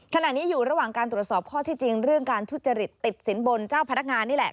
ขณะนี้อยู่ระหว่างการตรวจสอบข้อที่จริงเรื่องการทุจริตติดสินบนเจ้าพนักงานนี่แหละ